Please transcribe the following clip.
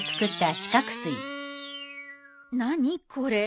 何これ？